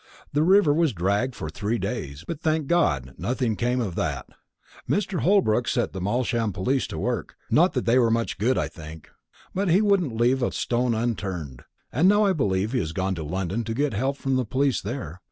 The river was dragged for three days; but, thank God, nothing came of that. Mr. Holbrook set the Malsham police to work not that they're much good, I think; but he wouldn't leave a stone unturned. And now I believe he has gone to London to get help from the police there.